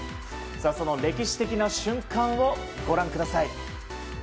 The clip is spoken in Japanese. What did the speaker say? その歴史的な瞬間をご覧ください。